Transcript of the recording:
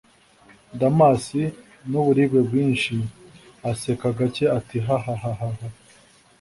damas nuburibwe bwinshi aseka gakeya ati: hhhhhh!